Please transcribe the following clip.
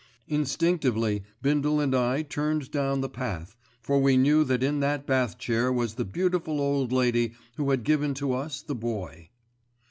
Instinctively Bindle and I turned down the path, for we knew that in that bath chair was the beautiful old lady who had given to us the Boy.